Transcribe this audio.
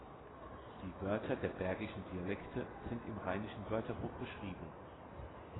Die Wörter der bergischen Dialekte sind im Rheinischen Wörterbuch beschrieben.